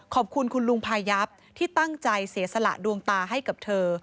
ขอบคุณคุณลุงพายับที่ตั้งใจเสียสละดวงตาให้กับเธอ